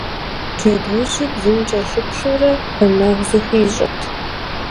Джэдуужьыр бзум кӀэлъыплъурэ, гъунэгъу зыхуищӀырт.